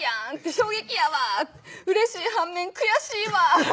衝撃やわうれしい反面悔しいわ」